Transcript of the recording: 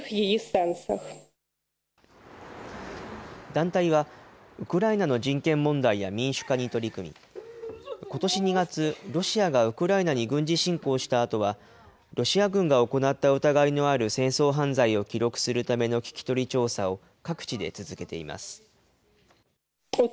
団体は、ウクライナの人権問題や民主化に取り組み、ことし２月、ロシアがウクライナに軍事侵攻したあとは、ロシア軍が行った疑いのある戦争犯罪を記録するための聞き取り調査を、各地で続けています。